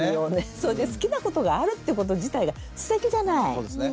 それで好きなことがあるってこと自体がすてきじゃない。